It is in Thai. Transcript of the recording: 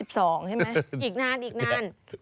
อีกนานอีกนาน